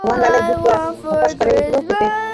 শোভনলালের বুকটা ধড়াস করে উঠল কেঁপে।